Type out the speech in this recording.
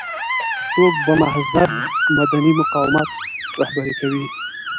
څوک به مهذب مدني مقاومت رهبري کوي.